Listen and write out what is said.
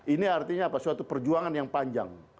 ini artinya apa suatu perjuangan yang panjang